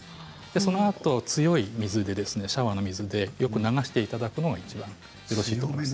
そのあと強い水でシャワーの水でよく流していただくのがいちばんよろしいと思います。